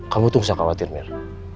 kamu tuh gak usah khawatir mir